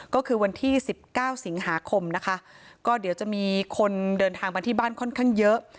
ก็คือวันที่๑๙สิงหาคมนะคะก็เดี๋ยวจะมีคนเดินทางมาที่บ้านค่อนข้างเยอะ